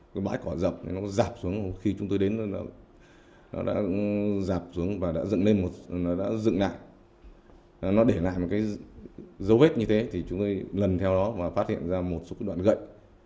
cái bãi cỏ dọc nó dạp xuống khi chúng tôi đến nó đã dạp xuống và đã dựng lại nó để lại một cái dấu vết như thế thì chúng tôi lần theo đó và phát hiện ra một số đoạn gậy